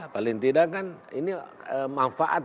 paling tidak kan ini manfaat